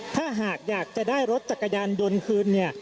ถ้าหากอยากจะได้รถจักรยานยนต์คืนเนี่ย